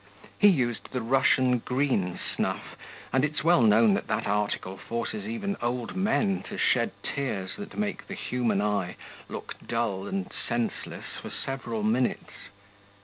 He used the Russian green snuff, and it's well known that that article forces even old men to shed tears that make the human eye look dull and senseless for several minutes.